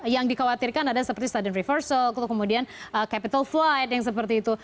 yang dikhawatirkan ada seperti suddent reversal atau kemudian capital flight yang seperti itu